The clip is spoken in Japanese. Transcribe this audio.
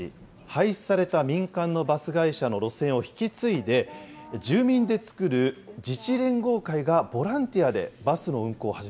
廃止された民間のバス会社の路線を引き継いで、住民で作る自治連合会がボランティアで、バスの運